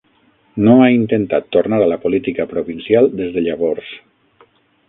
No ha intentat tornar a la política provincial des de llavors.